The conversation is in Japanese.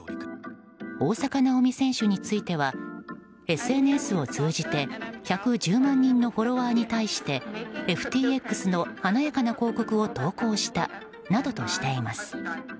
大坂なおみ選手についてはＳＮＳを通じて１１０万人のフォロワーに対してＦＴＸの華やかな広告を投稿したなどとしています。